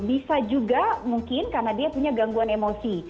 bisa juga mungkin karena dia punya gangguan emosi